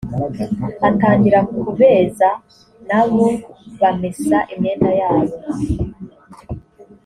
atangira kubeza na bo bamesa imyenda yabo